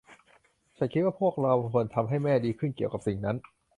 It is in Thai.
ฉันคิดว่าพวกเราควรทำให้แม่ดีขึ้นเกี่ยวกับสิ่งนั้น